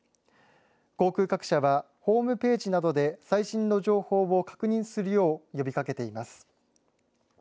航空各社はホームページなどで最新の情報を確認するよう呼びかけています。